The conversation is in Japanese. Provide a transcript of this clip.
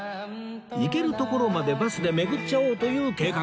行けるところまでバスで巡っちゃおうという計画